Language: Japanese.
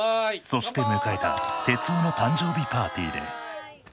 そして迎えた徹生の誕生日パーティーで。